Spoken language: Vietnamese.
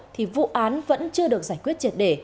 thì vụ án vẫn chưa được giải quyết triệt đề